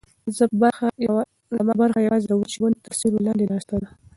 زما برخه یوازې د وچې ونې تر سیوري لاندې ناسته ده.